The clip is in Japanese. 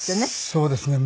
そうですね。